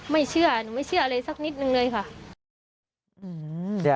ไม่เชื่อหนูไม่เชื่ออะไรสักนิดนึงเลยค่ะ